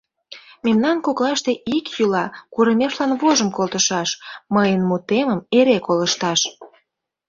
Мемнан коклаште ик йӱла курымешлан вожым колтышаш: мыйын мутемым эре колышташ!